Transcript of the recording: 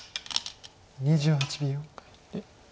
２８秒。